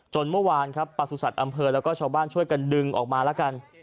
เมื่อวานครับประสุทธิ์อำเภอแล้วก็ชาวบ้านช่วยกันดึงออกมาแล้วกัน